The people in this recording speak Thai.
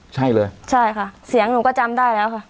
ใช่เลยใช่ค่ะเสียงหนูก็จำได้แล้วค่ะ